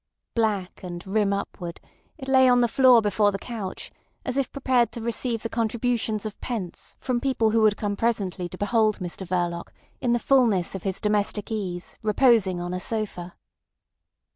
Black, and rim upward, it lay on the floor before the couch as if prepared to receive the contributions of pence from people who would come presently to behold Mr Verloc in the fullness of his domestic ease reposing on a sofa.